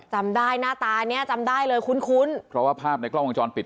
จำได้หน้าตาเนี้ยจำได้เลยคุ้นคุ้นเพราะว่าภาพในกล้องวงจรปิด